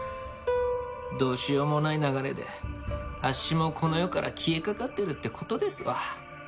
どうしようもない流れであっしもこの世から消えかかってるって事ですわ。